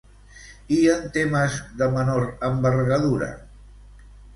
I en temes de menor envergadura?